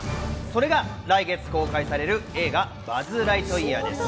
それが来月公開される映画『バズ・ライトイヤー』です。